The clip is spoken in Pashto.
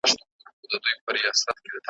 دې مقام ته بل څوک نه وه رسېدلي `